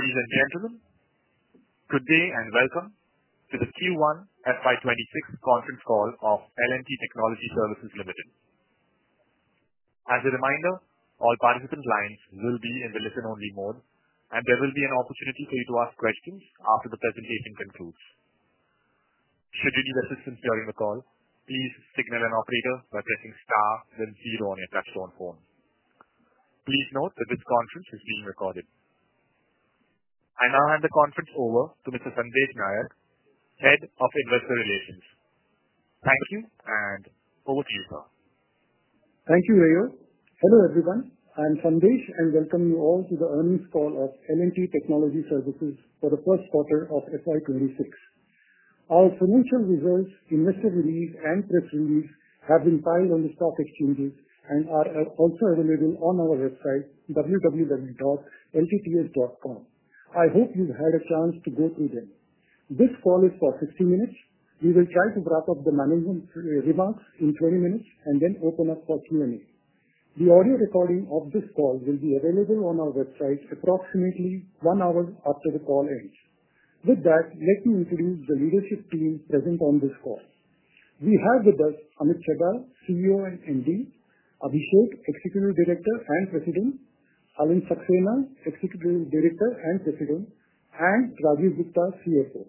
Ladies and gentlemen, good day, and welcome to the Q1 FY twenty six Conference Call of L and T Technology Services Limited. As a reminder, all participant lines will be in the listen only mode and there will be an opportunity for you to ask questions after the presentation concludes. Please note that this conference is being recorded. I now hand the conference over to Mr. Sandeep Nayad, Head of Investor Relations. Thank you and over to you sir. Thank you, Rayo. Hello everyone. I'm Sandesh and welcome you all to the earnings call of M and T Technology Services for the first quarter of FY twenty six. Our financial results, investor release, and press release have been filed on the stock exchanges and are also available on our website, www.ltts.com. I hope you've had a chance to go through them. This call is for sixty minutes. We will try to wrap up the management remarks in twenty minutes and then open up for q and a. The audio recording of this call will be available on our website approximately one hour after the call ends. With that, let me introduce the leadership team present on this call. We have with us Amit Chabal, CEO and MD Abhishek, executive director and president, Alin Saxena, executive director and president and Rajiv Gupta, CFO.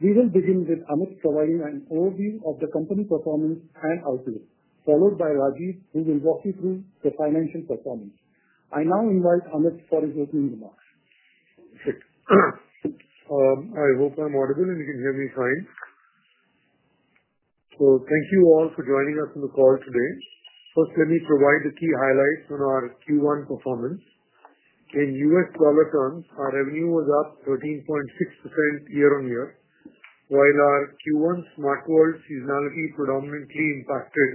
We will begin with Amit providing an overview of the company performance and outlook, followed by Rajiv, who will walk you through the financial performance. I now invite Amit for his opening remarks. I hope I'm audible and you can hear me fine. So thank you all for joining us on the call today. First, let me provide the key highlights on our Q one performance. In US dollar terms, our revenue was up 13.6% year on year, while our q one SmartWorld seasonality predominantly impacted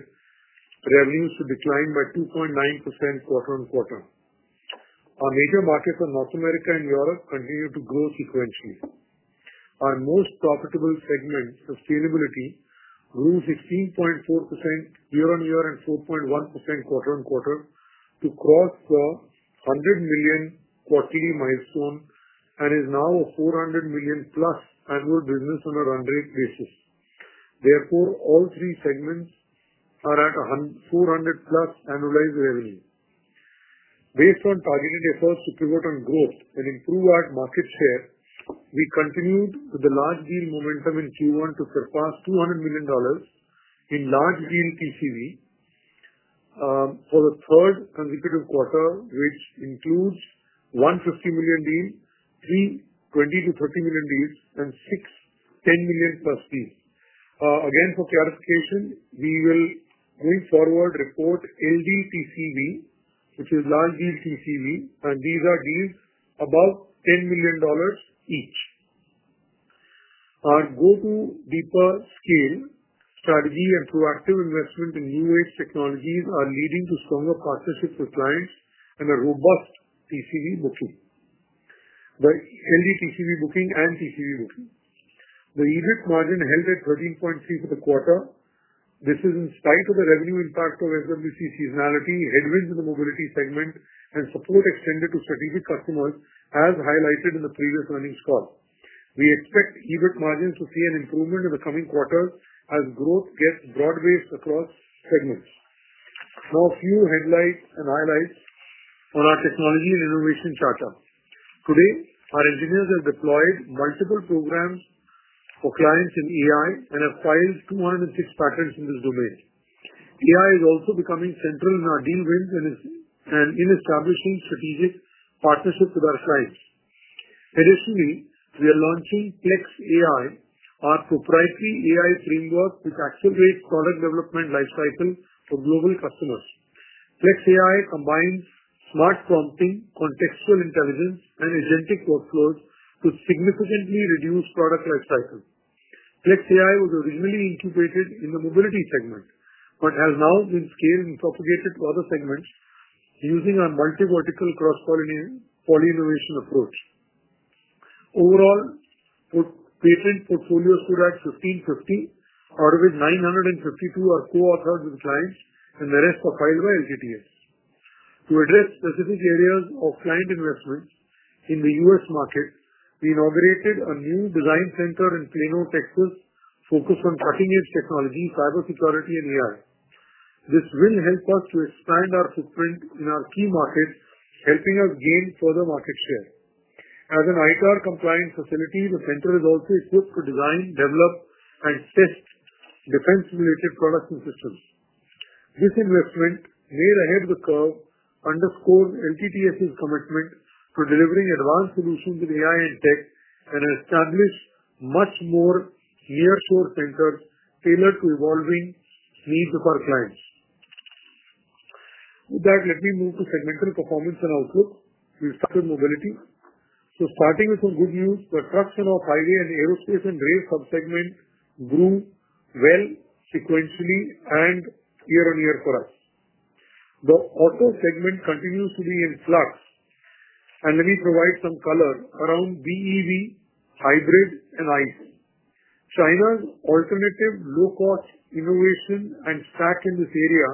revenues to decline by 2.9% quarter on quarter. Our major markets in North America and Europe continue to grow sequentially. Our most profitable segment, sustainability, grew 16.4 year on year and 4.1% quarter on quarter to cross the 100,000,000 quarterly milestone and is now a 400,000,000 plus annual business on a run rate basis. Therefore, all three segments are at a 400 plus annualized revenue. Based on targeted efforts to pivot on growth and improve our market share, we continued the large deal momentum in q one to surpass $200,000,000 in large deal TCV for the third consecutive quarter, which includes one fifty million deal, three twenty to thirty million deals, and six ten million plus deal. Again, for clarification, we will going forward, report LDPCV, which is largely TCV, and these are deals above $10,000,000 each. Our go to deeper scale strategy and proactive investment in new age technologies are leading to stronger partnerships with clients and a robust TCV booking. The LD TCV booking and TCV booking. The EBIT margin held at 13.3 for the quarter. This is in spite of the revenue impact of SWC seasonality, headwinds in the mobility segment and support extended to strategic customers as highlighted in the previous earnings call. We expect EBIT margins to see an improvement in the coming quarters as growth gets broad based across segments. Now a few highlights and highlights on our technology and innovation charter. Today, our engineers have deployed multiple programs for clients in AI and have filed 206 patents in this domain. AI is also becoming central in our deal wins and is and in establishing strategic partnership with our clients. Additionally, we are launching Plex AI, our proprietary AI framework, which accelerates product development life cycle for global customers. Plex AI combines smart prompting, contextual intelligence, and agentic workflows to significantly reduce product life cycle. FlexAI was originally incubated in the mobility segment, but has now been scaled and propagated to other segments using our multi vertical cross poly poly innovation approach. Overall, put patent portfolios stood at fifteen fifty out of it 952 are coauthored with clients and the rest are filed by LGTS. To address specific areas of client investments in The US market, we inaugurated a new design center in Plano, Texas focused on cutting edge technology, cybersecurity, and AI. This will help us to expand our footprint in our key markets, helping us gain further market share. As an ITR compliant facility, the center is also equipped to design, develop, and test defense related products and systems. This investment made ahead of the curve, underscores LTTS's commitment to delivering advanced solutions with AI and tech and establish much more near shore centers tailored to evolving needs of our clients. With that, let me move to segmental performance and outlook. We'll start with mobility. So starting with some good news, production of highway and aerospace and rail subsegment grew well sequentially and year on year for us. The auto segment continues to be in flux, and let me provide some color around BEV, hybrid, and ICE. China's alternative low cost innovation and stack in this area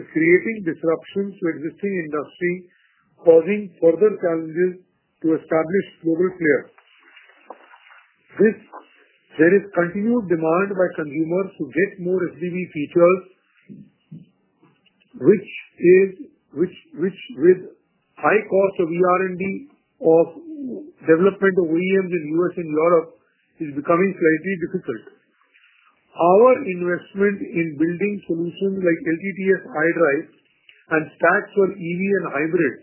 is creating disruptions to existing industry, causing further challenges to establish global players. This there is continued demand by consumers to get more of the features, which is which which with high cost of e r and d of development of OEMs in US and Europe is becoming slightly difficult. Our investment in building solutions like LTTS high drive and stacks of EV and hybrid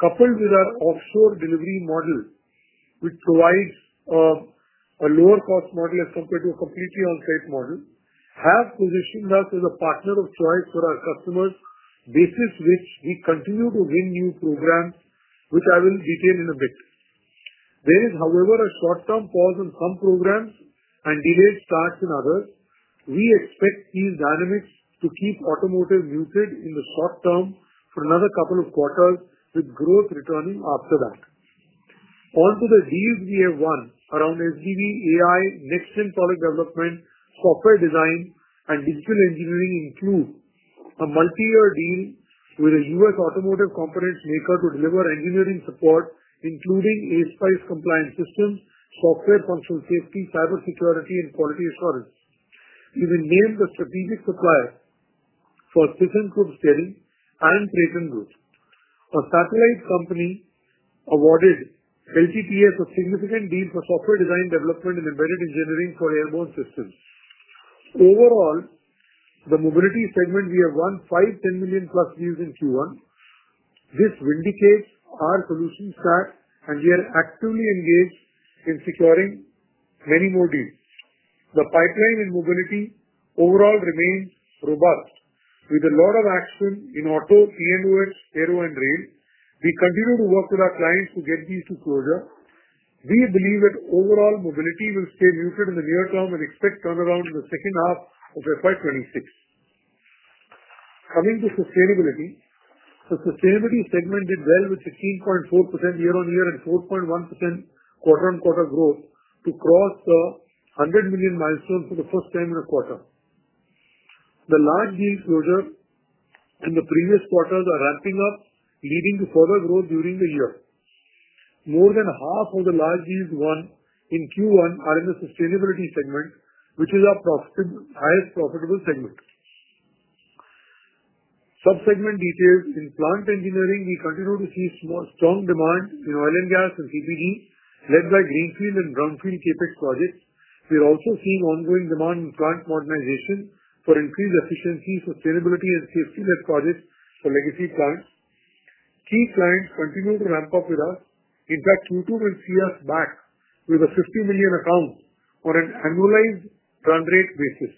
coupled with our offshore delivery model, which provides a lower cost model as compared to a completely on-site model, have positioned us as a partner of choice for our customers, basis which we continue to win new programs, which I will detail in a bit. There is, however, a short term pause in some programs and delayed starts in others. We expect these dynamics to keep automotive muted in the short term for another couple of quarters with growth returning after that. On to the deals we have won around SDV AI, next gen product development, software design, and digital engineering include a multiyear deal with a US automotive competence maker to deliver engineering support, including a spice compliant system, software function safety, cybersecurity, and quality assurance. We've been named the strategic supplier for Systems Group Steremy and Traton Group, A satellite company awarded LTPS a significant deal for software design development and embedded engineering for airborne systems. Overall, the mobility segment, we have won $510,000,000 plus deals in q one. This vindicates our solution stack, and we are actively engaged in securing many more deals. The pipeline in mobility overall remains robust with a lot of action in auto, P and OS, aero and rail. We continue to work with our clients to get these to closure. We believe that overall mobility will stay muted in the near term and expect turnaround in the second half of FY twenty six. Coming to sustainability, the sustainability segment did well with 16.4% year on year and 4.1% quarter on quarter growth to cross the 100,000,000 milestone for the first time in a quarter. The large deal closure in the previous quarters are ramping up, leading to further growth during the year. More than half of the large deals won in Q1 are in the sustainability segment, which is our highest profitable segment. Subsegment details, in plant engineering, we continue to see strong demand in oil and gas and CBD led by greenfield and brownfield CapEx projects. We're also seeing ongoing demand in plant modernization for increased efficiency, sustainability and safety net projects for legacy clients. Key clients continue to ramp up with us. In fact, Q2 will see us back with a 50,000,000 account on an annualized run rate basis,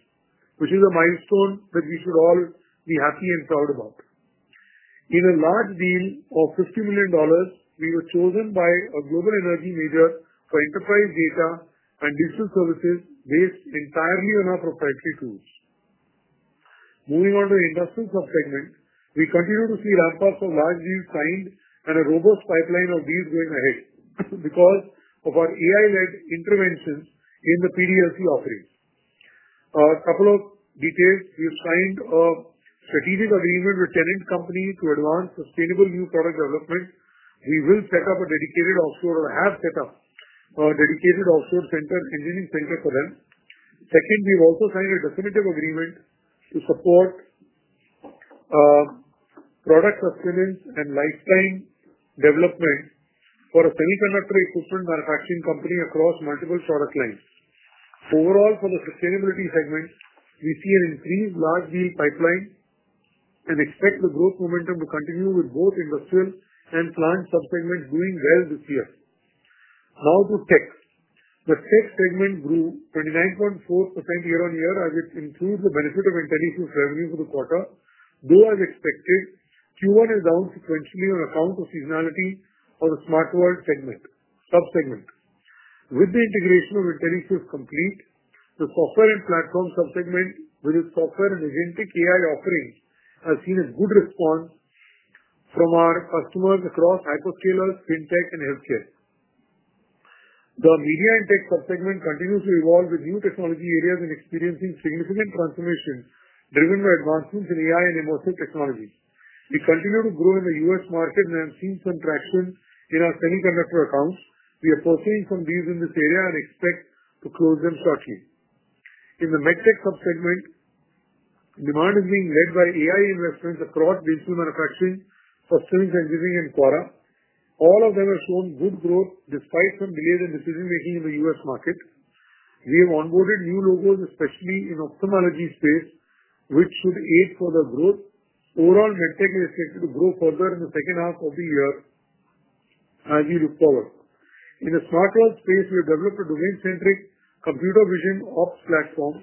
which is a milestone that we should all be happy and proud about. In a large deal of fifty million dollars, we were chosen by a global energy major for enterprise data and digital services based entirely on our proprietary tools. Moving on to industrial subsegment, we continue to see ramp up of large deals signed and a robust pipeline of deals going ahead because of our AI led interventions in the PDLT offerings. A couple of details, we've signed a strategic agreement with Tenant company to advance sustainable new product development. We will set up a dedicated offshore or have set up a dedicated offshore center, engineering center for them. Second, we've also signed a definitive agreement to support product sustenance and lifetime development for a semiconductor equipment manufacturing company across multiple product lines. Overall, for the sustainability segment, we see an increased large deal pipeline and expect the growth momentum to continue with both industrial and plant sub segments doing well this year. Now to Tech. The tech segment grew 29.4% year on year as it includes the benefit of Intelisys revenue for the quarter. Though as expected, q one is down sequentially on account of seasonality for the SmartWorld segment subsegment. With the integration of Intelisys Complete, the software and platform subsegment with its software and AI offering has seen a good response from our customers across hyperscaler, fintech, and health care. The media and tech subsegment continues to evolve with new technology areas and experiencing significant transformation driven by advancements in AI and immersive technologies. We continue to grow in The US market and have seen some traction in our semiconductor accounts. We are posting from these in this area and expect to close them shortly. In the MedTech subsegment, demand is being led by AI investments across digital manufacturing for sales engineering and Quora. All of them have shown good growth despite some delays in decision making in The US market. We have onboarded new logos, especially in ophthalmology space, which should aid further growth. Overall, MedTech is expected to grow further in the second half of the year as we look forward. In the smart cloud space, we have developed a domain centric computer vision ops platform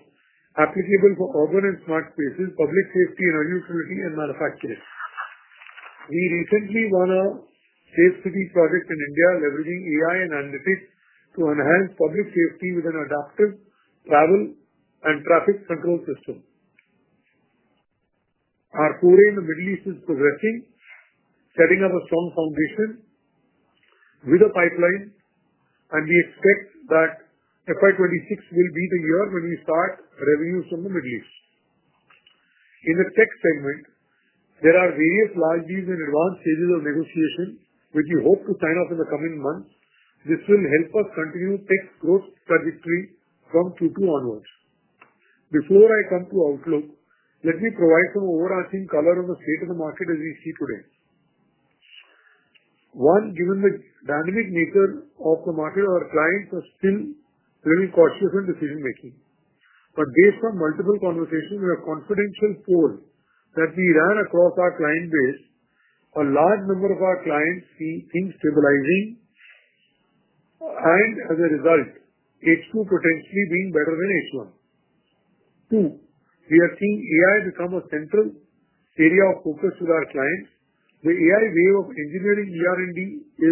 applicable for urban and smart spaces, public safety and our utility and manufacturing. We recently won a safe city project in India leveraging AI and analytics to enhance public safety with an adaptive travel and traffic control system. Our in The Middle East is progressing, setting up a strong foundation with a pipeline, and we expect that FY twenty six will be the year when we start revenues from The Middle East. In the tech segment, there are various large deals in advanced stages of negotiation, which we hope to sign up in the coming months. This will help us continue tech growth trajectory from Q2 onwards. Before I come to outlook, let me provide some overarching color on the state of the market as we see today. One, given the dynamic nature of the market, our clients are still very cautious in decision making. But based on multiple conversations, have confidential code that we ran across our client base, a large number of our clients see things stabilizing. And as a result, h two potentially being better than h one. Two, we are seeing AI become a central area of focus to our clients. The AI way of engineering e r and d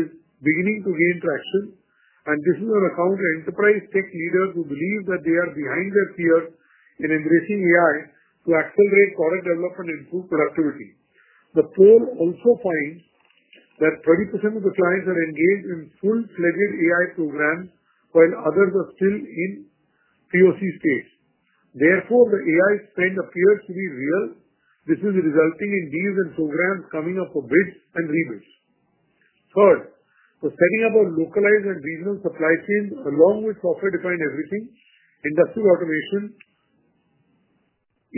is beginning to gain traction, and this is an account enterprise tech leaders who believe that they are behind their peers in embracing AI to accelerate product development and improve productivity. The poll also finds that 30 of the clients are engaged in full fledged AI program while others are still in POC stage. Therefore, the AI spend appears to be real. This is resulting in deals and programs coming up for bids and rebates. Third, we're setting up our localized and regional supply chain along with software defined everything, industrial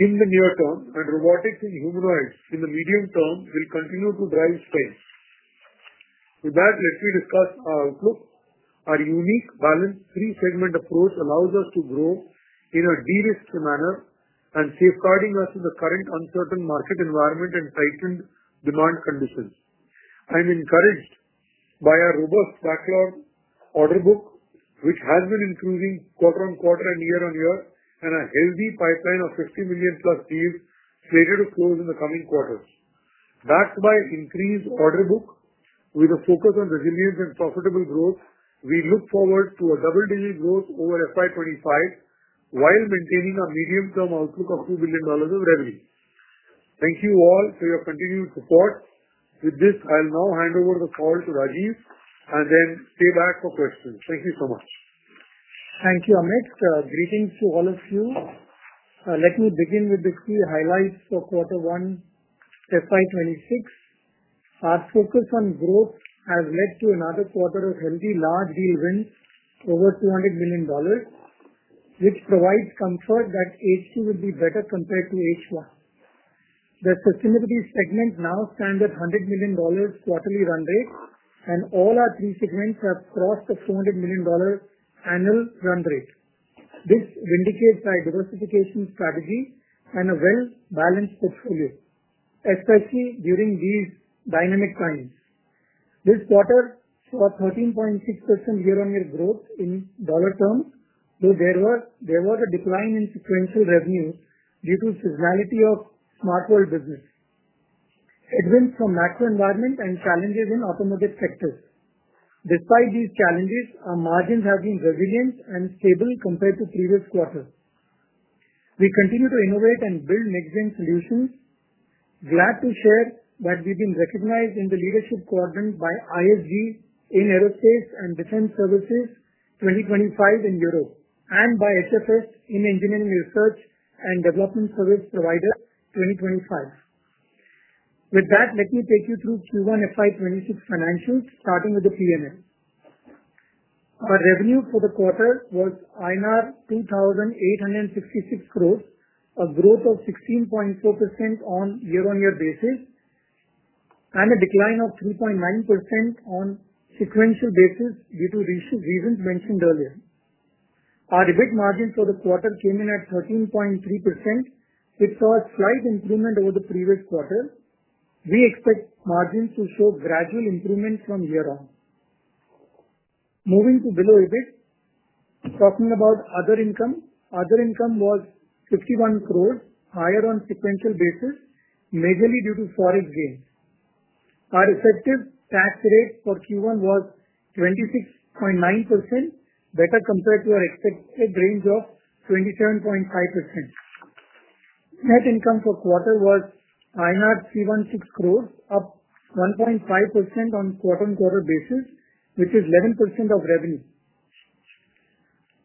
automation in the near term and robotics in human rights in the medium term will continue to drive space. With that, let me discuss our outlook. Our unique balance three segment approach allows us to grow in a derisked manner and safeguarding us in the current uncertain market environment and tightened demand conditions. I'm encouraged by our robust backlog order book, which has been improving quarter on quarter and year on year, and a healthy pipeline of 50,000,000 plus deals slated to close in the coming quarters. That's why increased order book with a focus on resilience and profitable growth. We look forward to a double digit growth over FY 'twenty five, while maintaining our medium term outlook of $2,000,000,000 of revenue. Thank you all for your continued support. With this, I'll now hand over the call to Rajiv and then stay back for questions. Thank you so much. Thank you, Amit. Greetings to all of you. Let me begin with the key highlights for quarter one FY twenty six. Our focus on growth has led to another quarter of healthy large deal wins over $200,000,000, which provides comfort that H2 would be better compared to H1. The sustainability segment now stands at $100,000,000 quarterly run rate, and all our three segments have crossed the $200,000,000 annual run rate. This vindicates our diversification strategy and a well balanced portfolio, especially during these dynamic times. This quarter saw 13.6% year on year growth in dollar terms, though there was there was a decline in sequential revenue due to seasonality of SmartWorld business, headwinds from macro environment and challenges in automotive sectors. Despite these challenges, our margins have been resilient and stable compared to previous quarter. We continue to innovate and build next gen solutions. Glad to share that we've been recognized in the leadership quadrant by ISG in aerospace and defense services 2025 in Europe and by HFS in engineering research and development service provider 2025. With that, let me take you through Q1 FY twenty six financials, starting with the PMM. Our revenue for the quarter was INR 2,866 crores, a growth of 16.4% on year on year basis and a decline of 3.9% on sequential basis due to recent reasons mentioned earlier. Our EBIT margin for the quarter came in at 13.3%. It saw a slight improvement over the previous quarter. We expect margins to show gradual improvement from year on. Moving to below EBIT, talking about other income. Other income was 51 crores, higher on sequential basis, majorly due to foreign gain. Our effective tax rate for q one was 26.9%, better compared to our expected range of 27.5%. Net income for quarter was INR $3.16 crores, up 1.5 on quarter on quarter basis, which is 11% of revenue.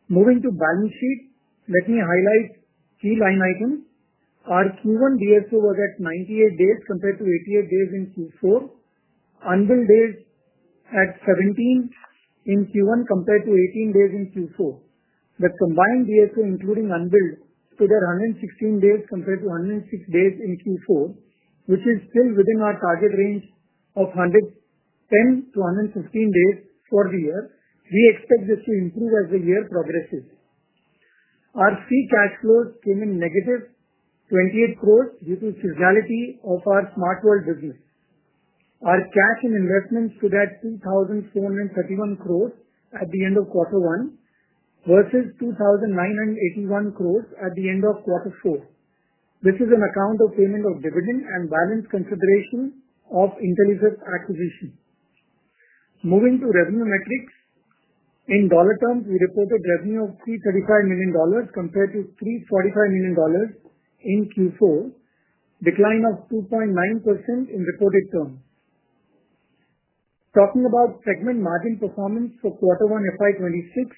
Moving to balance sheet, let me highlight key line items. Our q one DSO was at ninety eight days compared to eighty eight days in q four. Unbilled days at seventeen in q one compared to eighteen days in q four. The combined DSO including unbilled stood at hundred and sixteen days compared to hundred and six days in q four, which is still within our target range of hundred ten to hundred fifteen days for the year. We expect this to improve as the year progresses. Our free cash flows came in negative 28 crores due to seasonality of our SmartWorld business. Our cash and investments stood at 2,431 crores at the end of quarter one versus 2,981 crores at the end of quarter four. This is an account of payment of dividend and balance consideration of Intelisys acquisition. Moving to revenue metrics. In dollar terms, we reported revenue of $335,000,000 compared to $345,000,000 in q four, decline of 2.9% in reported terms. Talking about segment margin performance for quarter one FY '26,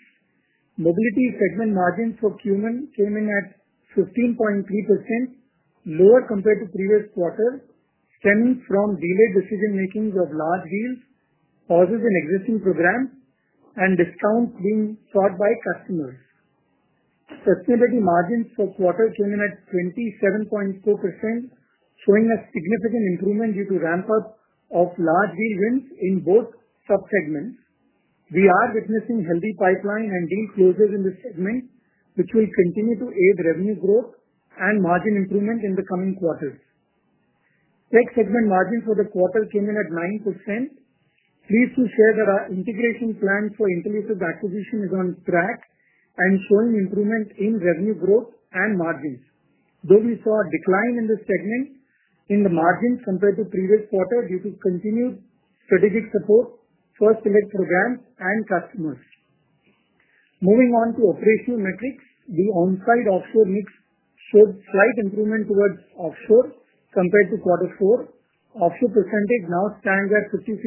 mobility segment margin for QMAN came in at 15.3%, lower compared to previous quarter stemming from delayed decision makings of large deals, pauses in existing programs and discounts being sought by customers. Sustainability margins for quarter came in at 27.4%, showing a significant improvement due to ramp up of large deal wins in both subsegments. We are witnessing healthy pipeline and deal closures in this segment, which will continue to aid revenue growth and margin improvement in the coming quarters. Tech segment margin for the quarter came in at 9%. Pleased to share that our integration plan for Intelisys acquisition is on track and showing improvement in revenue growth and margins. Though we saw a decline in the segment in the margin compared to previous quarter due to continued strategic support for select programs and customers. Moving on to operational metrics, the on-site offshore mix showed slight improvement towards offshore compared to quarter four. Offshore percentage now stands at 56.1%.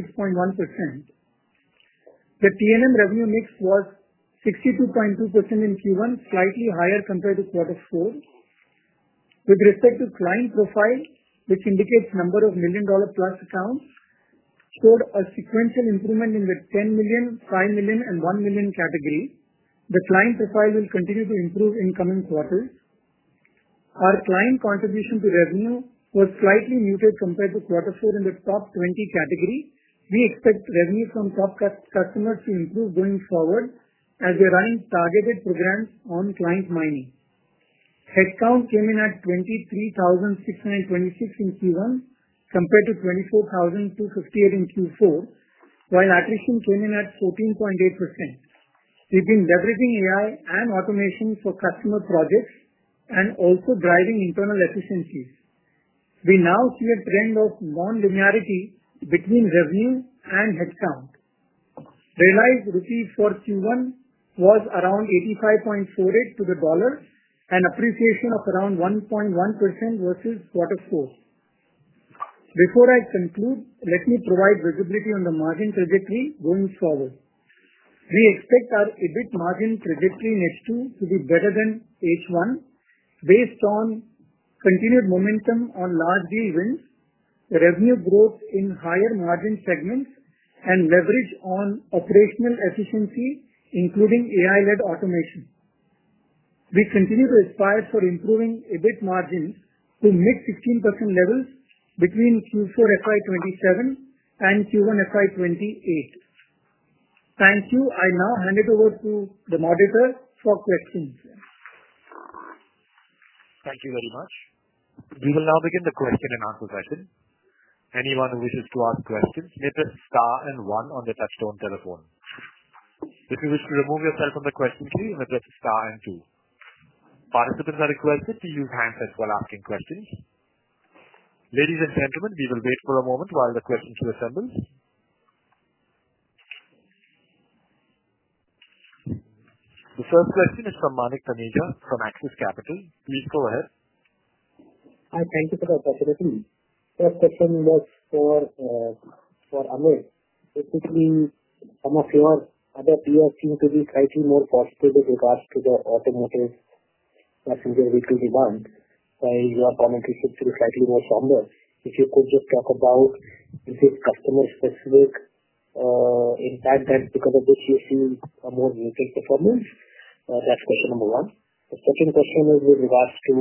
The T and M revenue mix was 62.2% in Q1, slightly higher compared to quarter four. With respect to client profile, which indicates number of million dollar plus accounts, showed a sequential improvement in the 10,000,000, 5,000,000 and 1,000,000 category. The client profile will continue to improve in coming quarters. Our client contribution to revenue was slightly muted compared to quarter four in the top 20 category. We expect revenue from top customers to improve going forward as we run targeted programs on client mining. Headcount came in at $23,006.09 26 in q one compared to $24,002.58 in q four, while attrition came in at 14.8%. We've been leveraging AI and automation for customer projects and also driving internal efficiencies. We now see a trend of nonlinearity between revenue and headcount. Realized rupees for q one was around 85.48 to the dollar, an appreciation of around 1.1% versus quarter four. Before I conclude, let me provide visibility on the margin trajectory going forward. We expect our EBIT margin trajectory next to to be better than H1 based on continued momentum on large deal wins, revenue growth in higher margin segments and leverage on operational efficiency, including AI led automation. We continue to aspire for improving EBIT margins to mid 16% levels between q four FY twenty seven and q one FY twenty eight. Thank you. I now hand it over to the moderator for questions. Thank you very much. We will now begin the question and answer session. Anyone who wishes to ask questions, may press and 1 on the touch tone telephone. If you wish to remove yourself from the question queue, you may press and 2. Participants are requested to use handsets while asking questions. Ladies and gentlemen, we will wait for a moment while the question is assembled. The first question is from Manik Panija from Axis Capital. Please go ahead. Hi. Thank you for the opportunity. First question was for Amit. Basically, some of your other PR seem to be slightly more positive with regards to the automotive passenger weekly demand. So your comment is actually slightly more stronger. If you could just talk about, is it customer specific impact that because of this you see a more muted performance? That's question number one. The second question is with regards to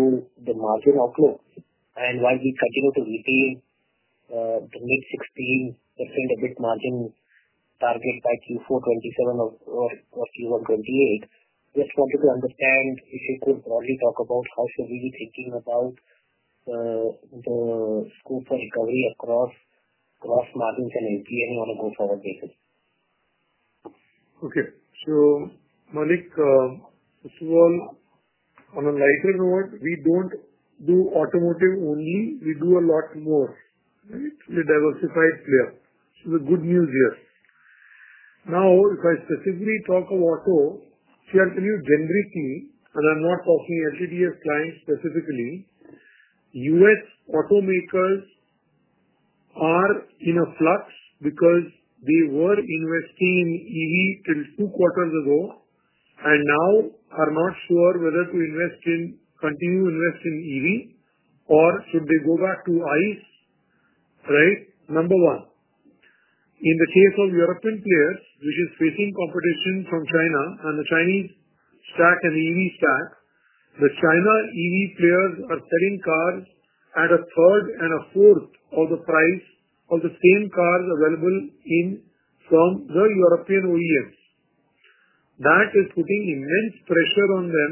the margin outlook and why we continue to retain the mid 16% of this margin target by q four twenty seven or or or q one twenty eight. Just wanted to understand if you could broadly talk about how should we be thinking about the scope for recovery across gross margins and NPL on a go forward basis. Okay. So, Malik, this is all on a lighter note, we don't do automotive only. We do a lot more. Right? We're diversified player. So the good news here. Now if I specifically talk of auto, see, I'll tell you generically, and I'm not talking LGDS clients specifically, US automakers are in a flux because they were investing EV till two quarters ago and now are not sure whether to invest in continue invest in EV or should they go back to ICE? Right? Number one. In the case of European players, which is facing competition from China and the Chinese stack and EV stack, the China EV players are selling cars at a third and a fourth of the price of the same cars available in from the European OEMs. That is putting immense pressure on them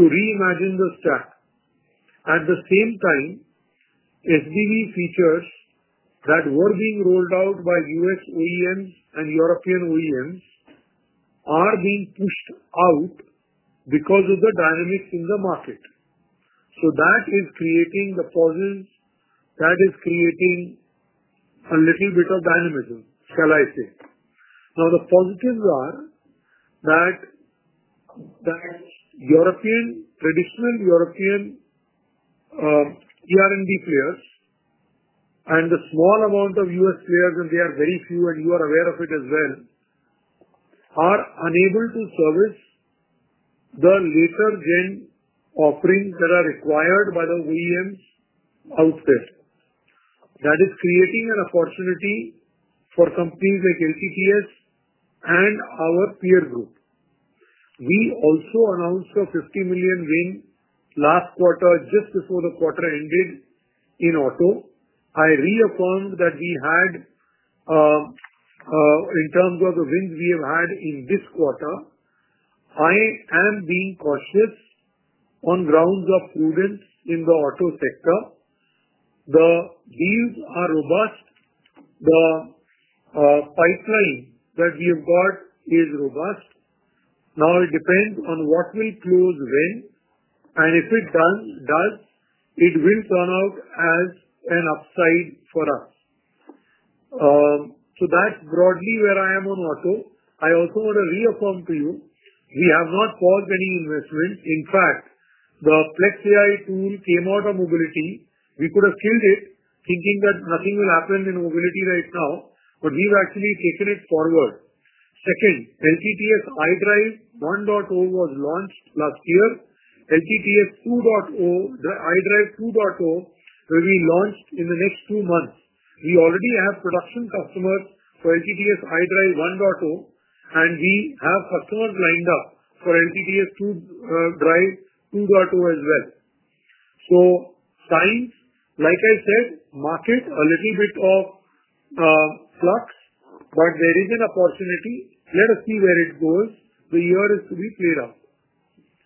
to reimagine the stack. At the same time, FBB features that were being rolled out by US OEMs and European OEMs are being pushed out because of the dynamics in the market. So that is creating the pauses, that is creating a little bit of dynamism, shall I say. Now the positives are that that European traditional European the r and d players and the small amount of US players, and they are very few and you are aware of it as well, are unable to service the later gen offerings that are required by the OEMs out there. That is creating an opportunity for companies like LTTS and our peer group. We also announced a 50,000,000 win last quarter just before the quarter ended in auto. I reaffirmed that we had, in terms of the wins we have had in this quarter. I am being cautious on grounds of prudence in the auto sector. The deals are robust. The pipeline that we've got is robust. Now it depends on what we close when. And if it does does, it will turn out as an upside for us. So that's broadly where I am on auto. I also wanna reaffirm to you, we have not paused any investment. In fact, the Flex AI tool came out of mobility. We could have killed it thinking that nothing will happen in mobility right now, but we've actually taken it forward. Second, LTTS iDrive 1 dot 0 was launched last year. Ltts two .0 the idrive2.0 will be launched in the next two months. We already have production customers for LTTS idrive1.o, and we have customers lined up for ltts2drive2.0 as well. So science, like I said, market a little bit of flux, but there is an opportunity. Let us see where it goes. The year is to be cleared up.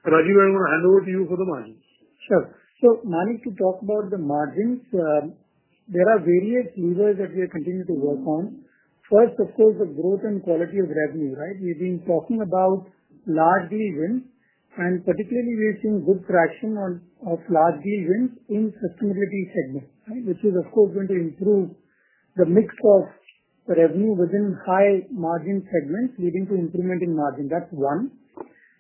Rajiv, I'm gonna hand over to you for the margins. Sure. So, Mani, to talk about the margins, there are various levers that we are continuing to work on. First, of course, the growth and quality of revenue. Right? We've been talking about large deal wins, and particularly, we've seen good traction on of large deal wins in sustainability segment, right, which is, of course, going to improve the mix of revenue within high margin segments, leading to improvement in margin. That's one.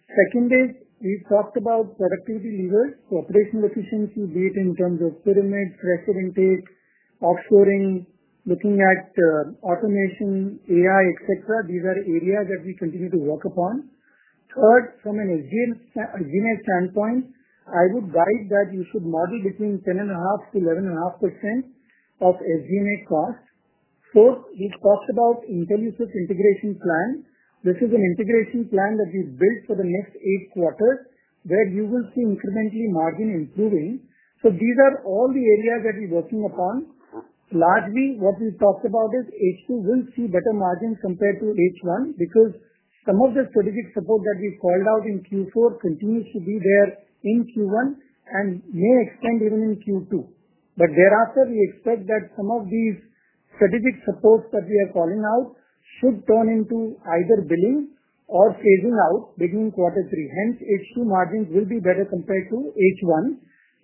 Second is, we've talked about productivity levers, operational efficiency, be it in terms of pyramid, pressure intake, offshoring, looking at automation, AI, etcetera. These are areas that we continue to work upon. Third, from an SG and A SG and A standpoint, I would guide that you should model between 10 and a half to 11 and a half percent of SG and A cost. Fourth, we've talked about Intelisys integration plan. This is an integration plan that we've built for the next eight quarters, where you will see incrementally margin improving. So these are all the areas that we're working upon. Largely, what we've talked about is h two will see better margins compared to h one because some of the strategic support that we called out in q four continues to be there in q one and may extend even in q two. But thereafter, we expect that some of these strategic supports that we are calling out should turn into either billing or phasing out beginning quarter three. Hence, h two margins will be better compared to h one.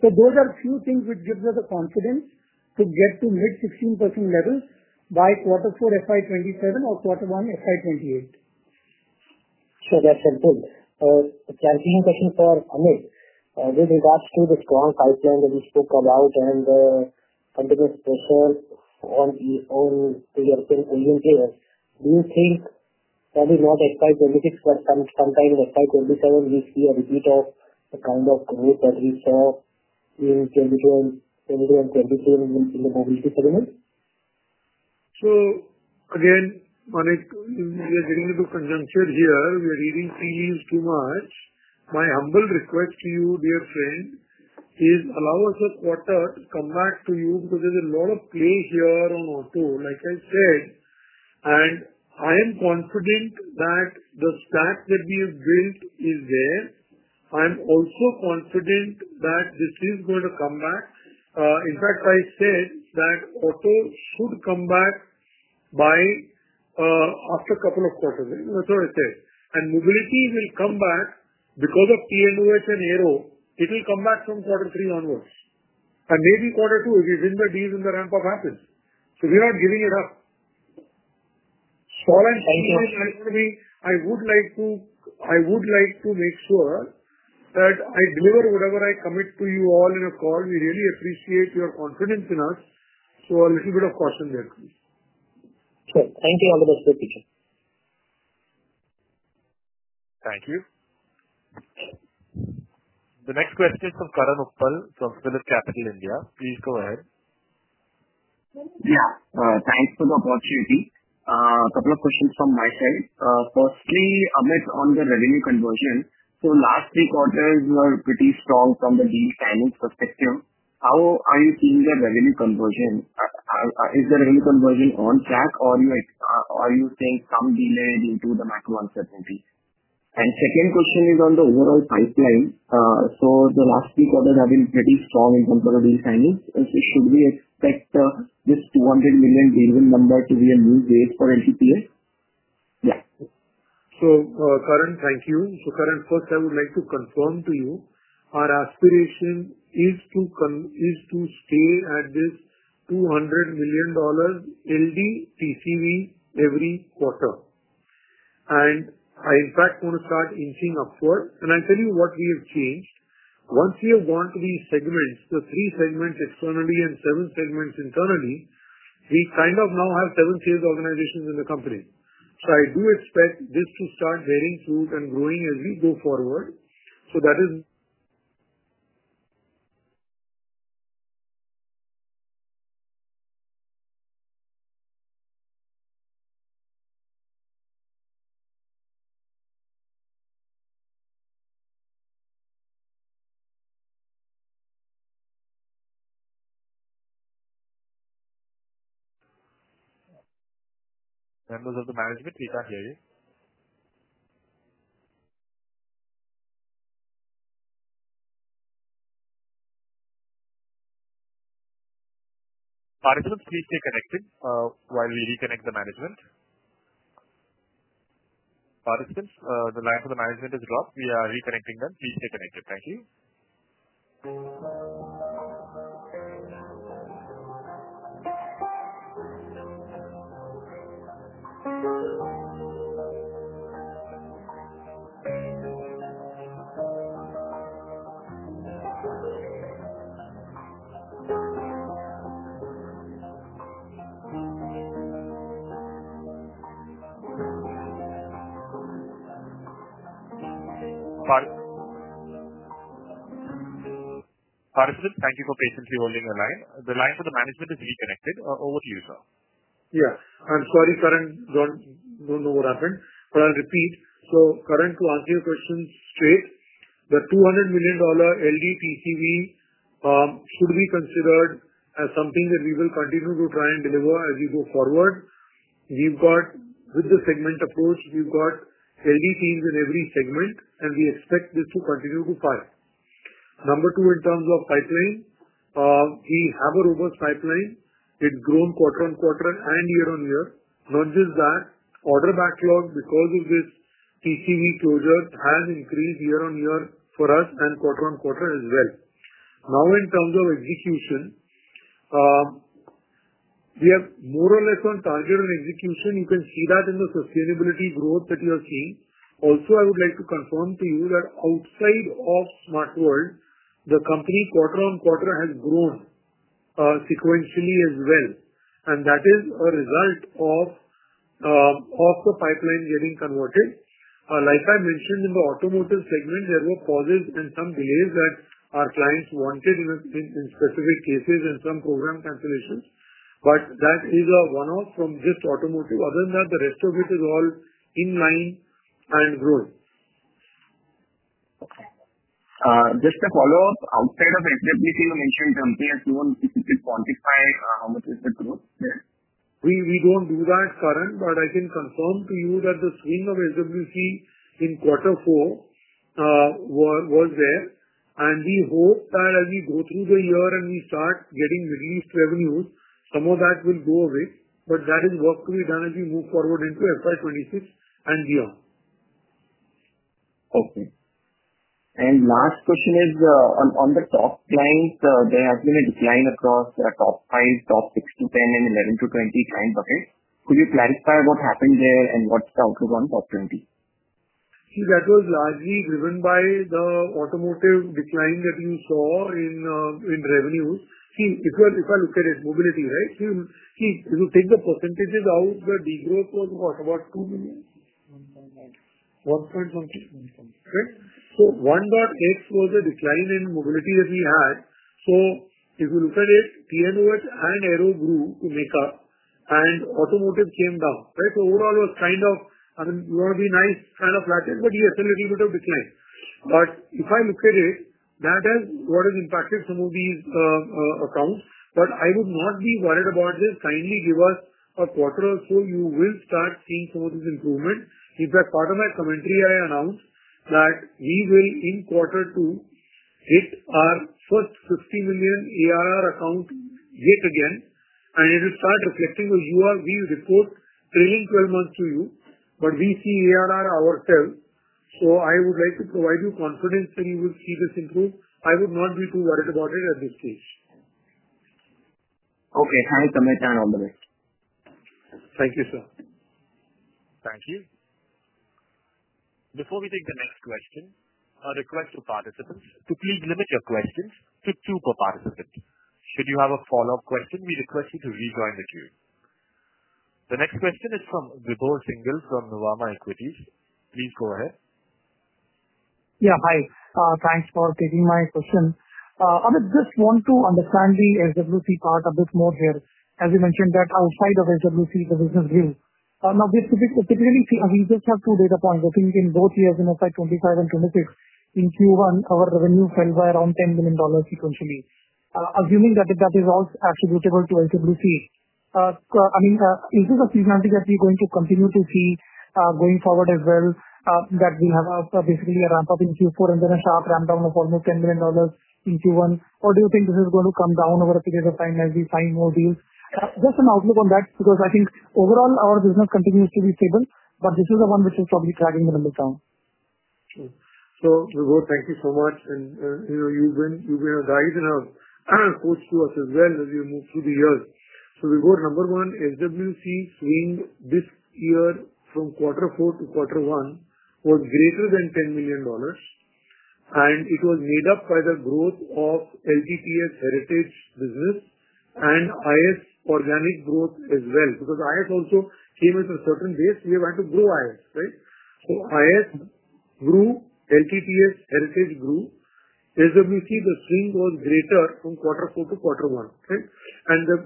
So those are few things which gives us the confidence to get to mid 16% level by quarter four f I twenty seven or quarter one f I twenty eight. Sure. That's a good a challenging question for Amit. With regards to the strong pipeline that we spoke about and some of the special on the own do you think, probably not expect the little bit, but some some time, like, '27, we see a repeat of the kind of growth that we saw in television, any of anything in the movie settlement? So, again, on it, we are getting into conjunction here. We are reading three leaves too much. My humble request to you, dear friend, is allow us a quarter to come back to you because there's a lot of play here on auto, like I said. And I am confident that the stack that we have built is there. I'm also confident that this is going to come back. In fact, I said that auto should come back by after a couple of quarters. That's what I said. And mobility will come back because of T and OS and Aero. It will come back from quarter three onwards. And maybe quarter two, if you've been the deals and the ramp up happens. So we're not giving it up. So I'm saying, I would like to I would like to make sure that I deliver whatever I commit to you all in a call. We really appreciate your confidence in us. So a little bit of caution there, please. Sure. Thank you all the best for your future. Thank you. The next question is from from Philip Capital India. Please go ahead. Yeah. Thanks for the opportunity. Couple of questions from my side. Firstly, Amit, on the revenue conversion. So last three quarters were pretty strong from the deal timing perspective. How are you seeing the revenue conversion? Is the revenue conversion on track, or you are you seeing some delay into the macro uncertainty? And second question is on the overall pipeline. So the last three quarters have been pretty strong in terms of the signings. And so should we expect this 200,000,000 daily number to be a new date for NTPA? Yeah. So, Karan, thank you. So, Karan, first, I would like to confirm to you, our aspiration is to con is to stay at this $200,000,000 LD TCV every quarter. And I, in fact, wanna start inching upward. And I tell you what we have changed. Once we have gone to these segments, the three segments externally and seven segments internally, we kind of now have seven sales organizations in the company. So I do expect this to start bearing fruit and growing as we go forward. So that is Members of the management, we can't hear you. Participants, please stay connected while we reconnect the management. Participants, the line for the management has dropped. We are reconnecting them. Please stay connected. Thank you. Thank you for patiently holding your line. The line for the management is reconnected. Over to you, sir. Yeah. I'm sorry, Karan. Don't don't know what happened, but I'll repeat. So, Karan, to answer your questions straight, the $200,000,000 LDPCV should be considered as something that we will continue to try and deliver as we go forward. We've got with the segment approach, we've got LDCs in every segment, and we expect this to continue to fire. Number two, in terms of pipeline, we have a robust pipeline. It's grown quarter on quarter and year on year. Not just that, order backlog because of this TCV closure has increased year on year for us and quarter on quarter as well. Now in terms of execution, we have more or less on target on execution. You can see that in the sustainability growth that you are seeing. Also, would like to confirm to you that outside of SmartWorld, the company quarter on quarter has grown sequentially as well, and that is a result of of the pipeline getting converted. Like I mentioned in the automotive segment, there were pauses and some delays that our clients wanted in in specific cases and some program cancellations. But that is a one off from just automotive. Other than that, the rest of it is all in line and growth. Okay. Just a follow-up, outside of HSBC, you mentioned company as you want to quickly quantify how much is the growth there? We we don't do that, Karan, but I can confirm to you that the swing of HSBC in quarter four was there. And we hope that as we go through the year and we start getting released revenues, some of that will go away, but that is what we've done as we move forward into FY '26 and beyond. Okay. And last question is on on the top client, there has been a decline across the top five, top six to ten and eleven to 20 client bucket. Could you clarify what happened there and what's the outlook on top 20? See, that was largely driven by the automotive decline that you saw in in revenue. See, if you if I look at it, mobility. Right? See, see, if you take the percentages out, the degrowth was what? About 2,000,001.9. 1.12. Right? So 1.x was a decline in mobility that we had. So if you look at it, TNOX and Aero grew to make up, and automotive came down. Right? So overall, it was kind of, I mean, it will be nice, kind of flattish, but yes, a little bit of decline. But if I look at it, that has what has impacted some of these accounts, but I would not be worried about this. Kindly give us a quarter or so. You will start seeing some of these improvement. In fact, part of my commentary I announced that we will, in quarter two, hit our first 50,000,000 ARR account yet again, and it will start reflecting the URV report trailing twelve months to you, but we see ARR ourselves. So I would like to provide you confidence that you would see this improve. I would not be too worried about it at this stage. Okay. Thanks, Amit, and all the best. Thank you, sir. Thank you. Before we take the next question, I request to participants to please limit your questions to two per participant. Should you have a follow-up question, we request you to rejoin the queue. The next question is from from Equities. Please go ahead. Yeah. Hi. Thanks for taking my question. Amit, just want to understand the SWC part a bit more here. As you mentioned that outside of SWC, the business view. Now basically, typically, we just have two data points. I think in both years, know, 05/25 and '26. In q one, our revenue fell by around $10,000,000 sequentially. Assuming that that is all attributable to LWC, I mean, is this a seasonality that we're going to continue to see going forward as well that we have a basically a ramp up in q four and then a sharp ramp down of almost $10,000,000 in q one? Or do you think this is going to come down over a period of time as we find more deals? Just an outlook on that because I think overall, our business continues to be stable, but this is the one which is probably tracking the number down. So, Rugur, thank you so much. And, you know, you've been you've been rising up, of course, to us as well as you move through the year. So Rugur, number one, SWC swing this year from quarter four to quarter one was greater than $10,000,000, and it was made up by the growth of LTPS heritage business and IS organic growth as well. Because IS also came in a certain base. We want to grow IS. Right? So IS grew, LTPS heritage grew. As we see, the swing was greater from quarter four to quarter one. Right? And the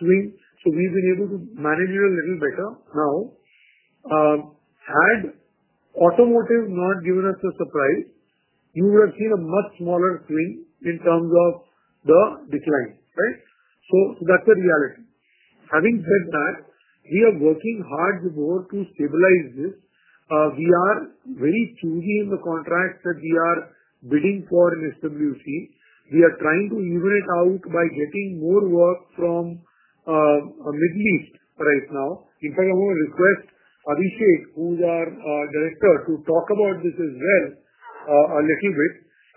swing so we've been able to manage it a little better. Now had automotive not given us a surprise, you will have seen a much smaller swing in terms of the decline. Right? So that's the reality. Having said that, we are working hard to go to stabilize this. We are very choosy in the contracts that we are bidding for in SWC. We are trying to even it out by getting more work from Middle East right now. In fact, I will request Abhishek, who's our director, to talk about this as well a little bit.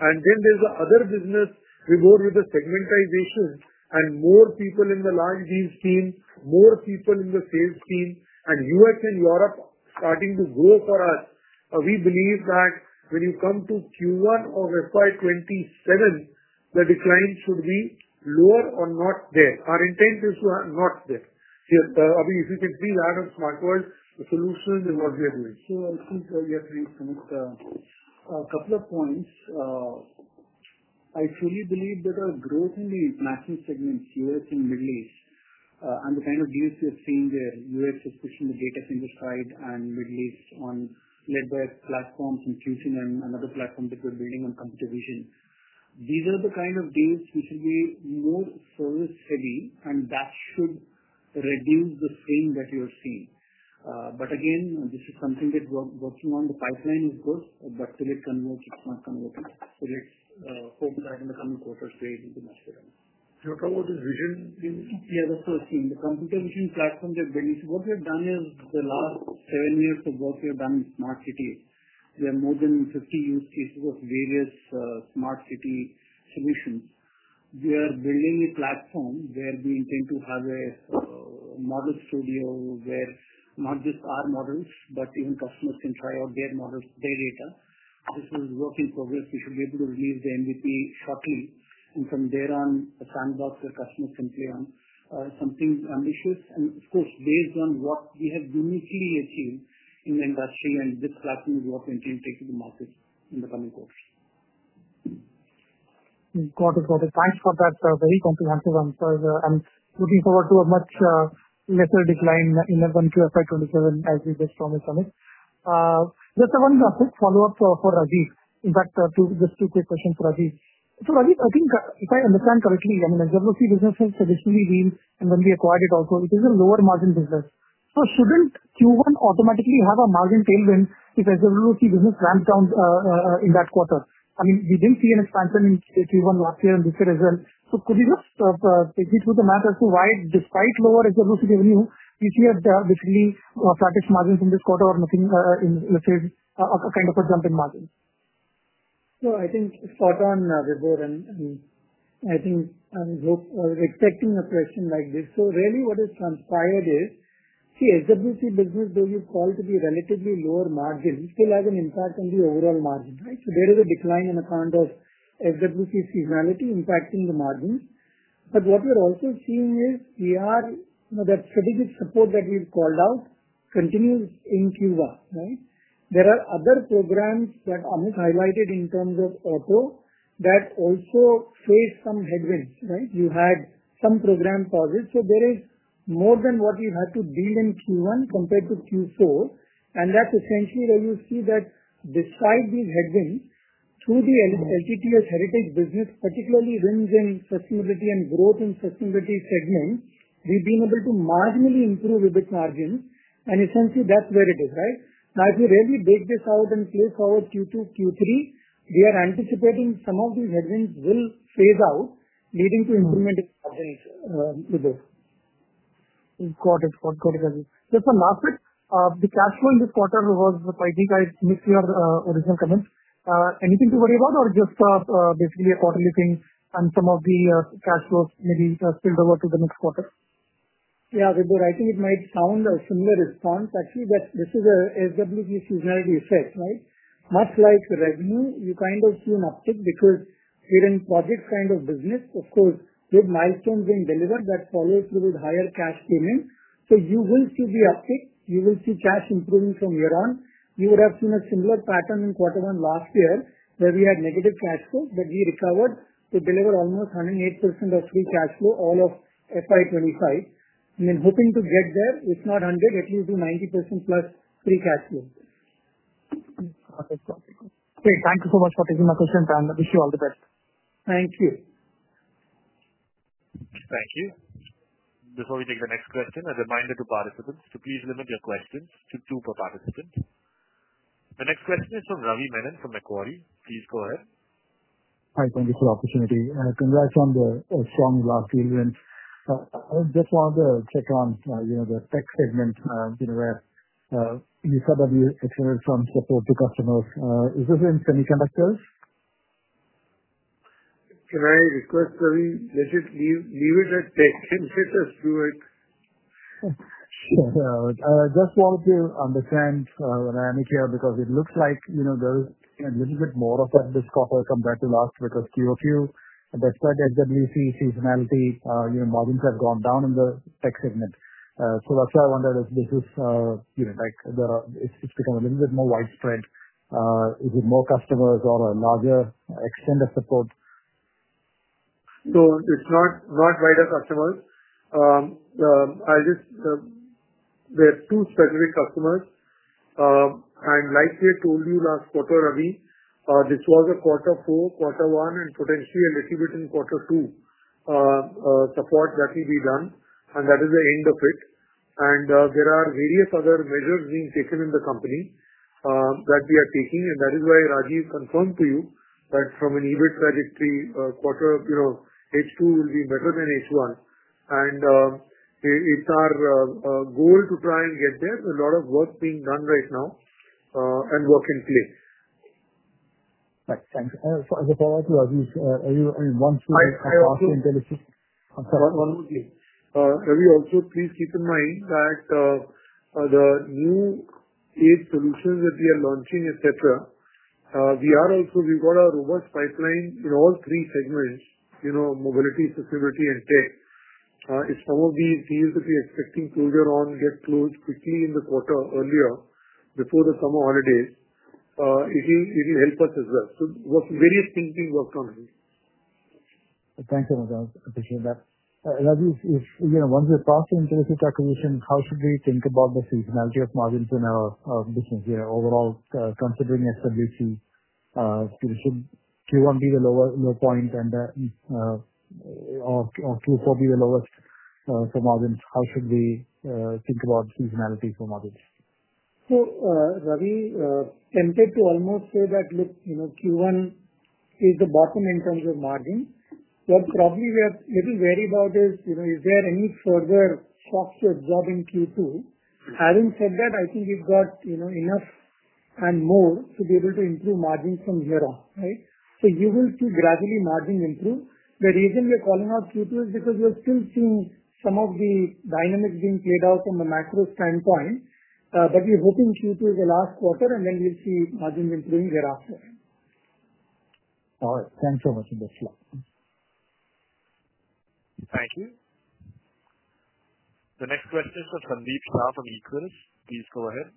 And then there's other business, we go with the segmentization and more people in the large deals team, more people in the sales team, and US and Europe starting to grow for us. We believe that when you come to q one of FY twenty seven, the decline should be lower or not there. Our intent is not there. Yes. I mean, if you can see that on SmartWorld, the solution is what we are doing. So I think we have to resubmit a couple of points. I truly believe that our growth in the international segment, US and Middle East, and the kind of deals we've seen there, US subscription, the data center side and Middle East on led by platforms and and other platforms that we're building on computer vision. These are the kind of deals which will be more service heavy, and that should reduce the same that you're seeing. But again, this is something that we're working on the pipeline, of course, but till it can work, it's not converting. So let's hope that in the coming quarters, will be much better. You're talking about this vision, you know? Yeah. That's the first thing. The computer vision platform that they need. What we have done is the last seven years of work we have done in smart city, there are more than 50 use cases of various smart city solutions. We are building a platform where we intend to have a model studio where not just our models, but even customers can try out their models, their data. This is work in progress. We should be able to release the MVP shortly. And from there on, the sandbox, the customers can play on something ambitious. And, of course, based on what we have uniquely achieved in the industry and this platform will continue taking the market in the coming quarters. Got it. Got it. Thanks for that, sir. Very comprehensive answer. Looking forward to a much lesser decline in the one q f I twenty seven as we just promised on it. Just a one quick follow-up for for Rajiv. In fact, two just two quick questions for Rajiv. So, Rajiv, I think if I understand correctly, I mean, as there will be business has traditionally been and then we acquired it also, it is a lower margin business. So shouldn't q one automatically have a margin tailwind if there's a little business ramp down in that quarter? I mean, we didn't see an expansion in in q one last year and this year as well. So could you just take me through the math as to why despite lower revenue, you see that basically flattish margins in this quarter or nothing in, let's say, a kind of a jump in margin? No. I think it's spot on, and I think I'm expecting a question like this. So really what has transpired is, see, as the business, though you call to be relatively lower margin, it still has an impact on the overall margin. Right? So there is a decline in account of SWC seasonality impacting the margins. But what we're also seeing is we are you know, that strategic support that we've called out continues in Cuba. Right? There are other programs that Amit highlighted in terms of auto that also faced some headwinds. Right? You had some program for this. So there is more than what you had to deal in q one compared to q four. And that's essentially where you see that despite these headwinds through the l LTTS heritage business, particularly wins in sustainability and growth in sustainability segment, we've been able to marginally improve EBIT margin. And essentially, that's where it is. Right? Now if you really dig this out and play forward q two, q three, we are anticipating some of these headwinds will phase out, leading to improvement in coverage with this. Got it. Got it. It. A last bit, the cash flow in this quarter was, I think I missed your original comment. Anything to worry about or just basically a quarterly thing and some of the cash flows maybe spilled over to the next quarter? Yeah. I it might sound a similar response. Actually, that this is a SWP seasonality effect. Right? Much like revenue, you kind of see an uptick because we're in project kind of business. Of course, with milestones being delivered, that follows through with higher cash payment. So you will see the uptick. You will see cash improving from here on. You would have seen a similar pattern in quarter one last year, where we had negative cash flow, but we recovered to deliver almost 108 of free cash flow all of FY '25. We are hoping to get there, if not 100, at least 90% plus free cash flow. Perfect. Great. Thank you so much for taking my questions, and wish you all the best. Thank you. Thank you. Before we take the next question, a reminder to participants to please limit your questions to two per participant. The next question is from Ravi Menon from Macquarie. Please go ahead. Hi. Thank you for the opportunity. Congrats on the strong last year. I just wanted to check on, you know, the tech segment, you know, where you said that you experienced some support to customers. Is this in semiconductors? Can I request the let's just leave leave it at that? Can you just just do it? Sure. I just wanted to understand when I am here because it looks like, you know, there's a little bit more of that this call compared to last week of QOQ. That's why the SWC seasonality, your margins have gone down in the tech segment. So that's why I wonder if this is, you know, like, the it's it's become a little bit more widespread. Is it more customers or a larger extended support? No. It's not not wider customers. I just there are two specific customers. And like we told you last quarter, Ravi, this was a quarter four, quarter one, and potentially a little bit in quarter two support that will be done, and that is the end of it. And there are various other measures being taken in the company that we are taking, and that is why Rajiv confirmed to you that from an EBIT trajectory quarter, you know, h two will be better than h one. And it's our goal to try and get there. A lot of work being done right now and work in play. Right. Thank you. As a follow-up to Rajiv, are you I mean, once we have asked Intelisys. One one only. Ravi, also, please keep in mind that the new eight solutions that we are launching, etcetera, we are also we've got a robust pipeline in all three segments, you know, mobility, facility, and tech. It's some of these deals that we're expecting to get on get closed quickly in the quarter earlier before the summer holidays. It will it help us as well. So what various thinking work on it. Thanks so much. Appreciate that. And, Rajiv, if, you know, once we're passing through the acquisition, how should we think about the seasonality of margins in our business here overall considering SWC? Should q one be the lower low point and the or q four be the lowest for margins? How should we think about seasonality for margins? So, Ravi, can take to almost say that, look, you know, q one is the bottom in terms of margin. What probably we are little worried about is, you know, is there any further structure drop in q two? Having said that, I think we've got, you know, enough and more to be able to improve margins from here on. Right? So you will see gradually margin improve. The reason we're calling out q two is because we're still seeing some of the dynamics being played out from a macro standpoint, but we're hoping q two is the last quarter, and then we'll see margin improving thereafter. Alright. Thanks so much and best of luck. Thank you. The next question is from Sandeep Shah from Equis. Please go ahead.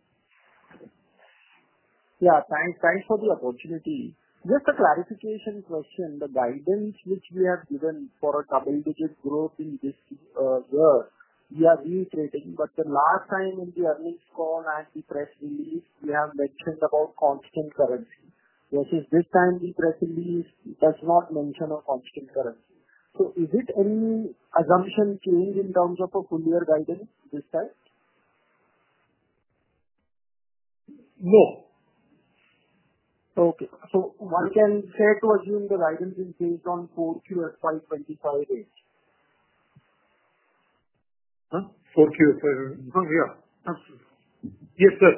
Yeah. Thanks thanks for the opportunity. Just a clarification question. The guidance which we have given for a double digit growth in this year, we are reiterating. But the last time in the earnings call and the press release, we have mentioned about constant currency. This is this time the press release does not mention a constant currency. So is it any assumption change in terms of a full year guidance this time? No. Okay. So one can set towards you in the guidance in based on 04/1958. 04/2005. Yeah. Yes, sir.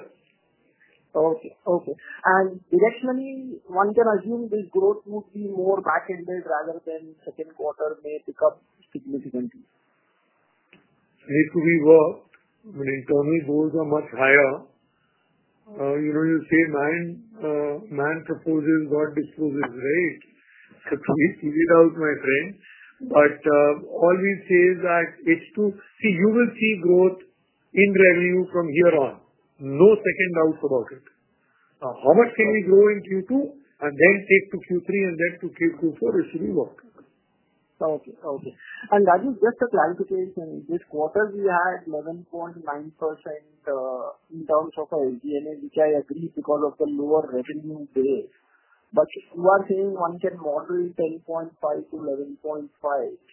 Okay. Okay. And directionally, one can assume this growth would be more back ended rather than second quarter may pick up significantly. Need to be worked. I mean, internally, those are much higher. You know, you see man man proposes, god disposes. Right? So please leave it out, my friend. But all we say is that it's too see, you will see growth in revenue from here on. No second doubts about it. How much can we grow in q two and then take to q three and then to q two four, it should work. Okay. Okay. And Raju, just a clarification. This quarter, we had 11.9% in terms of our SG and A, which I agreed because of the lower revenue base. But one thing, one can model is 10.5 to 11.5.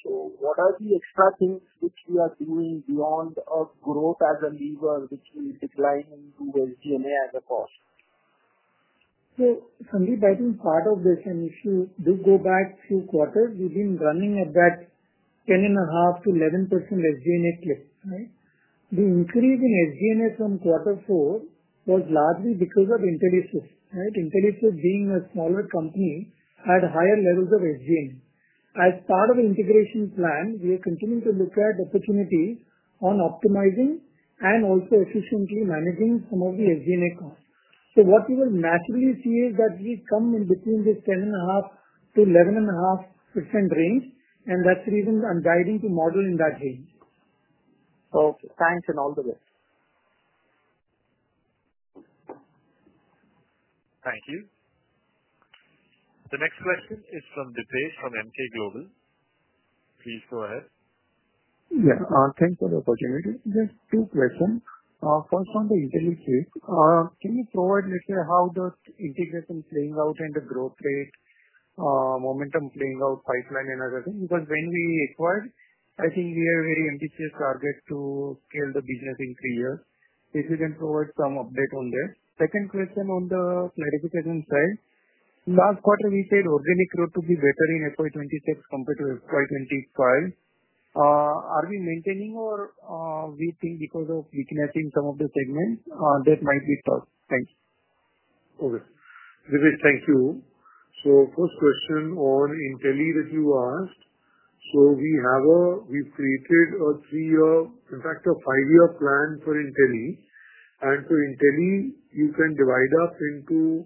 So what are the extra things which we are doing beyond our growth as a lever which will decline into SG and A as a cost? So Sandeep, I think part of this and if you do go back few quarters, we've been running at that 10 and a half to 11% SG and A clip. Right? The increase in SG and A from quarter four was largely because of the intelligence. Right? Intelligence being a smaller company had higher levels of SG and A. As part of the integration plan, we are continuing to look at opportunities on optimizing and also efficiently managing some of the SGN account. So what you will naturally see is that we come in between the 10 and a half to 11 and a half percent range, and that's the reason I'm guiding to model in that range. Okay. Thanks and all the best. Thank you. The next question is from the from MK Global. Please go ahead. Yeah. Thanks for the opportunity. Just two questions. First on the Intelisys, can you provide me, sir, how does integration playing out in the growth rate, momentum playing out pipeline and other thing? Because when we acquired, I think we are very ambitious target to scale the business in three years. If you can provide some update on that. Second question on the clarification side. Last quarter, we said organic growth to be better in FY twenty six compared to FY twenty five. Are we maintaining or we think because of weakness in some of the segments that might be tough? Thanks. Okay. Vivek, thank you. So first question on Intelie that you asked. So we have a we've created a three year in fact, a five year plan for Intelie. And for Intelie, you can divide up into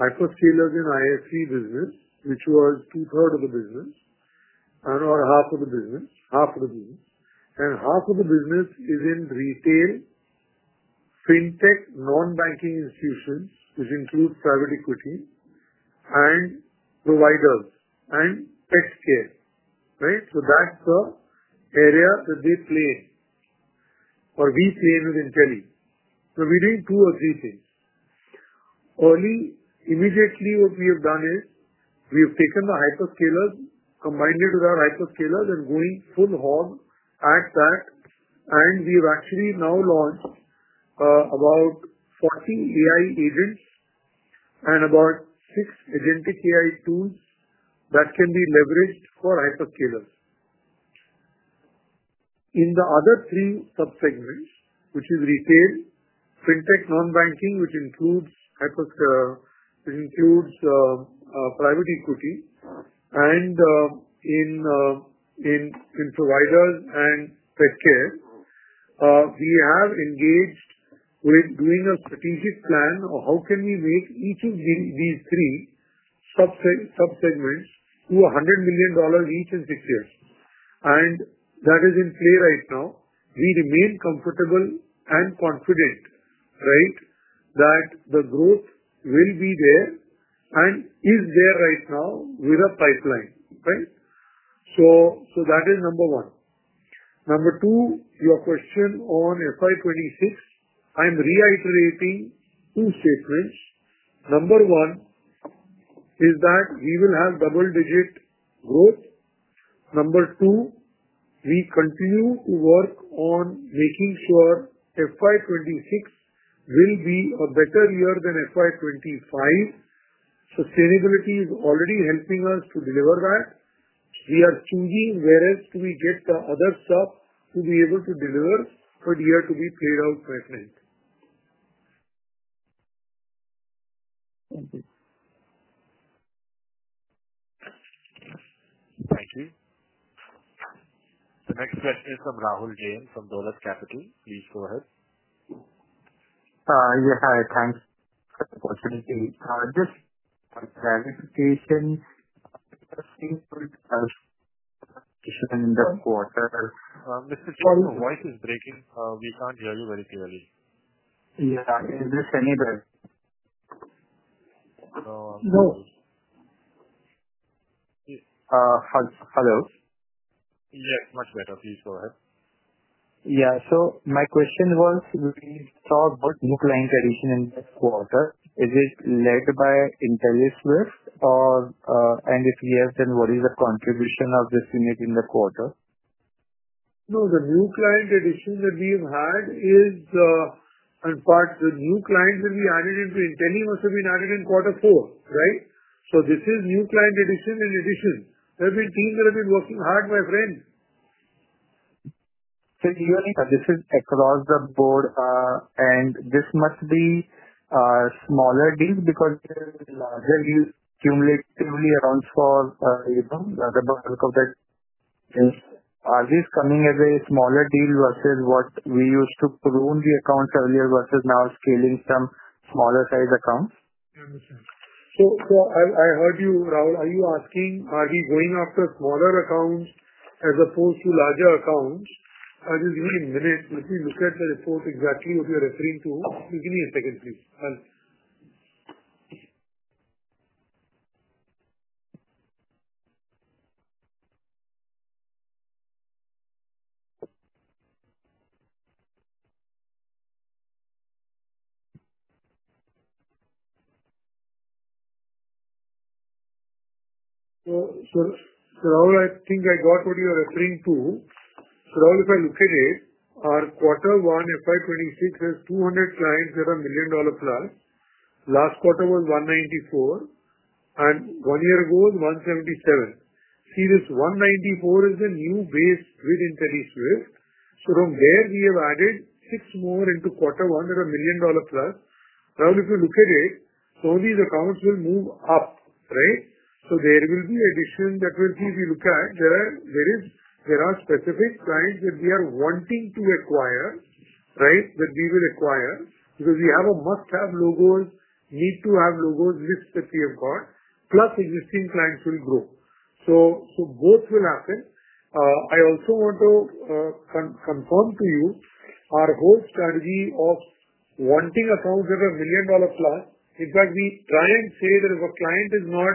hyperscalers and ISC business, which was two third of the business, and or half of the business, half of the business. And half of the business is in retail, fintech, non banking institutions, which includes private equity and providers and pet care. Right? So that's the area that they play or we play with Intelie. So we did two or three things. Early immediately, what we have done is we have taken the hyperscalers, combined it with our hyperscalers and going full hog at that, and we've actually now launched about 40 AI agents and about six agentic AI tools that can be leveraged for hypercalers. In the other three sub segments, which is retail, fintech, non banking, which includes hyper includes private equity, and in in providers and pet care, We have engaged with doing a strategic plan of how can we make each of these these three sub sub segments to a $100,000,000 each in six years. And that is in play right now. We remain comfortable and confident, right, that the growth will be there and is there right now with a pipeline. Right? So so that is number one. Number two, your question on FY '26, I'm reiterating two statements. Number one is that we will have double digit growth. Number two, we continue to work on making sure FY '26 will be a better year than FY '25. Sustainability is already helping us to deliver that. We are changing whereas we get the other stuff to be able to deliver for the year to be paid out by the end. Thank you. Thank you. The next question is from Rahul James from Dola Capital. Please go ahead. Yes. Hi. Thanks for the opportunity. Just for clarification, the same for the first in the quarter. Mister, your voice is breaking. We can't hear you very clearly. Yeah. Is this enabled? No. Hello? Yes. Much better. Please go ahead. Yeah. So my question was, we talked about new client addition in this quarter. Is it led by Inteliswift? Or and if yes, then what is the contribution of this unit in the quarter? No. The new client addition that we've had is and part the new client will be added in between. Tenee must have been added in quarter four. Right? So this is new client addition and addition. There will team that have been working hard, my friend. So do you have any This is across the board, and this must be smaller deals because there will be larger deals cumulatively around for, you know, the the bulk of that is are these coming as a smaller deal versus what we used to prune the account earlier versus now scaling some smaller size accounts? I understand. So so I I heard you, Rahul. Are you asking, are we going after smaller accounts as opposed to larger accounts? I'll give you a minute. Let me look at the report exactly what you're referring to. You give me a second, please. So so now I think I got what you are referring to. So now if I look at it, our quarter one FY twenty six has 200 clients that are million dollar plus. Last quarter was $1.94, and one year ago, one seventy seven. See, this one ninety four is a new base within Credit Suisse. So from there, we have added six more into quarter one that are million dollar plus. Now if you look at it, so these accounts will move up. Right? So there will be addition that will give you look at. There are there is there are specific clients that we are wanting to acquire, right, that we will acquire because we have a must have logo, need to have logo list that we have got, plus existing clients will grow. So so both will happen. I also want to con confirm to you our whole strategy of wanting a total of a million dollar plus. In fact, we try and say that if a client is not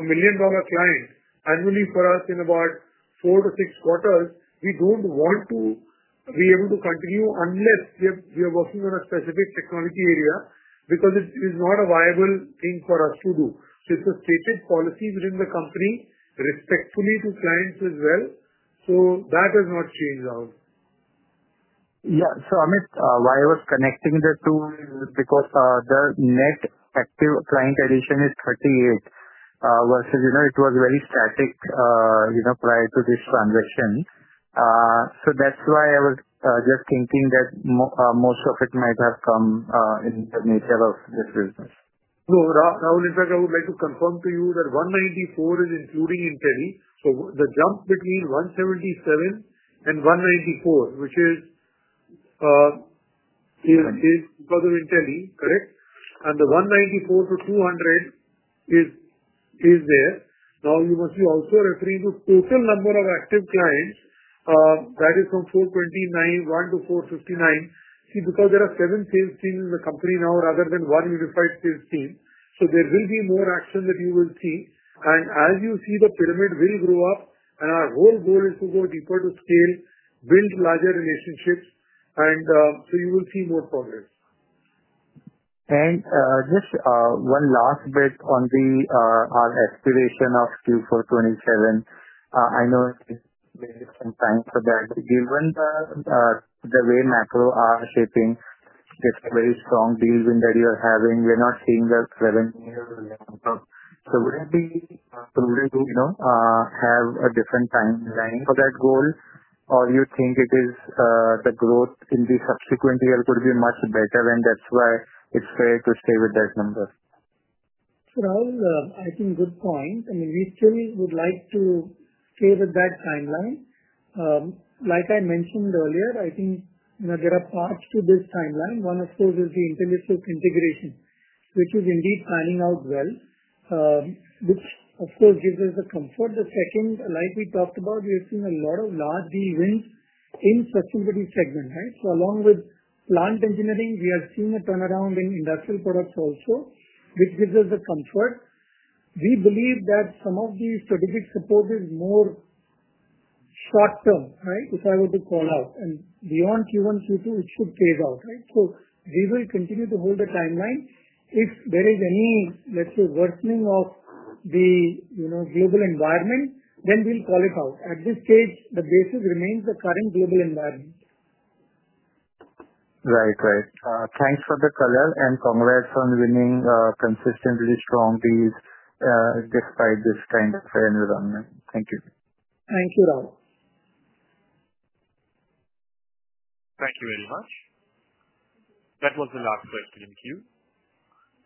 a million dollar client, annually for us in about four to six quarters, we don't want to be able to continue unless we are we are working on a specific technology area because it is not a viable thing for us to do. So it's a stated policy within the company, respectfully to clients as well. So that has not changed out. Yeah. So, Amit, why I was connecting the two is because the net active client addition is 38 versus, you know, it was very static, you know, prior to this transaction. So that's why I was just thinking that most of it might have come in the nature of this business. No. Rahul, in fact, I would like to confirm to you that one ninety four is including in Teli. So the jump between one seventy seven and one ninety four, which is is is further Intelie. Correct? And the $1.94 to 200 is is there. Now you must be also a three to total number of active clients. That is from four twenty nine one to four fifty nine. See, because there are seven sales teams in the company now rather than one unified sales team, so there will be more action that you will see. And as you see, the pyramid will grow up, and our whole goal is to go deeper to scale, build larger relationships, and so you will see more progress. And just one last bit on the our expiration of q four twenty seven. I know it's it's it's some time for that. But given the way macro are shipping, it's very strong deals and that you are having. We're not seeing the. So wouldn't be, prudent to, you know, have a different time line for that goal? Or you think it is the growth in the subsequent year could be much better, and that's why it's fair to stay with that number? Rahul, I think good point. I mean, we still would like to stay with that timeline. Like I mentioned earlier, I think, you know, there are parts to this timeline. One of those is the intelligent integration, which is indeed planning out well, which, of course, gives us the comfort. The second, like we talked about, we have seen a lot of large deal wins in such a good segment. Right? So along with plant engineering, we are seeing a turnaround in industrial products also, which gives us a comfort. We believe that some of the strategic support is more short term, right, if I were to call out. And beyond q one, q two, it should pay out. Right? So we will continue to hold the timeline. If there is any, let's say, worsening of the, you know, global environment, then we'll call it out. At this stage, the basis remains the current global environment. Right. Right. Thanks for the color, and congrats on winning consistently strong fees despite this kind of environment. Thank you. Thank you, Rahul. Thank you very much. That was the last question in queue.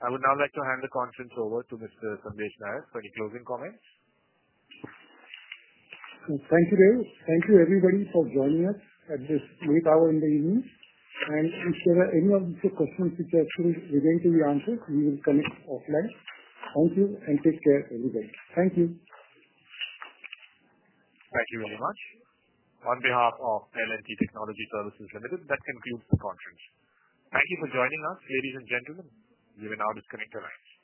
I would now like to hand the conference over to mister Sadish Nayyad for any closing comments. Thank you, Dave. Thank you everybody for joining us at this late hour in the evening. And if there are any other questions, questions, regarding to be answered, we will connect offline. Thank you and take care everybody. Thank you. Thank you very much. On behalf of L and T Technology Services Limited, that concludes the conference. Thank you for joining us. Ladies and gentlemen, you may now disconnect your lines.